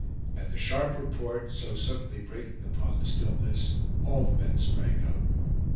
At the sharp report, so suddenly breaking upon the stillness, all the men sprang up.